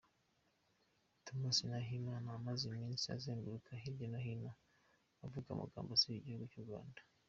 Tomas Nahimana , amaze iminsi azenguruka hirya nohino avuga amagambo asebya igihugu cy’u Rwanda.